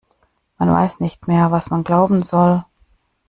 Man weiß nicht mehr, was man glauben soll.